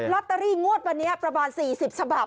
ตเตอรี่งวดวันนี้ประมาณ๔๐ฉบับ